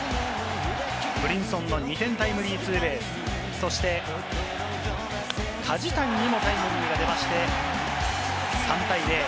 ブリンソンの２点タイムリーツーベース、そして梶谷にもタイムリーが出まして、３対０。